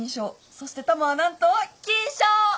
そしてタマは何と金賞！